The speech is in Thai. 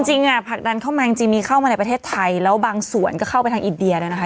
ผลักดันเข้ามาจริงมีเข้ามาในประเทศไทยแล้วบางส่วนก็เข้าไปทางอินเดียนะคะ